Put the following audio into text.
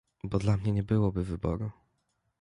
"Bo dla mnie nie byłoby wyboru."